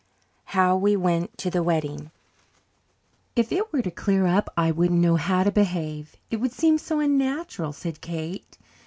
How We Went to the Wedding "If it were to clear up I wouldn't know how to behave, it would seem so unnatural," said Kate.